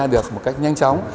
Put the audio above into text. được một cách nhanh chóng